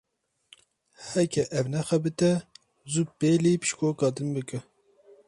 Heke ev nexebite, zû pêlî bişkoka din bike.